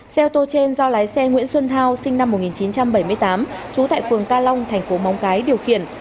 xe ô tô trên do lái xe nguyễn xuân thao sinh năm một nghìn chín trăm bảy mươi tám trú tại phường ca long thành phố móng cái điều khiển